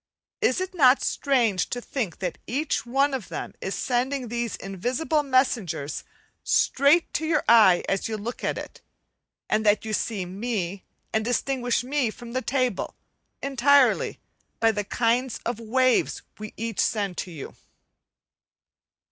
Is it not strange to think that each one of them is sending these invisible messengers straight to your eye as you look at it; and that you see me, and distinguish me from the table, entirely by the kind of waves we each send to you?